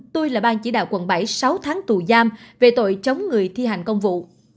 tôi là bang chỉ đạo quận bảy sáu tháng tù giam về tội chống người thi hành công vụ